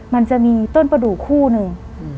มันจะมีต้นประดูกคู่หนึ่ง